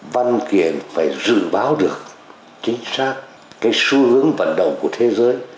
văn kiện phải dự báo được chính xác cái xu hướng vận động của thế giới